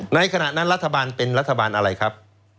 ในขณะนั้นรัฐบาลเป็นรัฐบาลอะไรครับ